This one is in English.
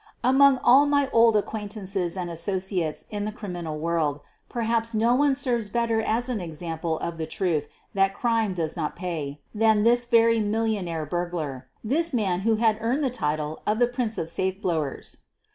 Among all my old acquaintances and associates in the criminal world, perhaps no one serves better as an example of the truth that crime does not pay than this very millionaire burglar, this man who had earned the title of the "Prince of Safe Blow ers."